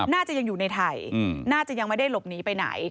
น่าจะยังอยู่ในไทยน่าจะยังไม่ได้หลบหนีไปไหน